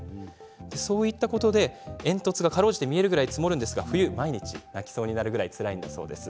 そういったことで煙突がかろうじて見えるくらいまで積もるんですが冬は毎日泣きそうになるくらいつらいんだそうです。